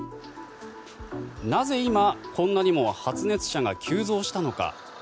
なぜ今、こんなにも発熱者が急増したのか。